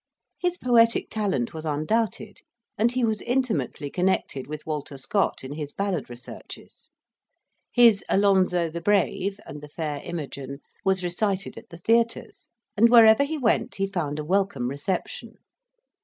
His poetic talent was undoubted, and he was intimately connected with Walter Scott in his ballad researches. His Alonzo the Brave and the Fair Imogene was recited at the theatres, and wherever he went he found a welcome reception.